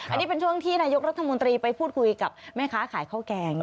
อันนี้เป็นช่วงที่นายกรัฐมนตรีไปพูดคุยกับแม่ค้าขายข้าวแกง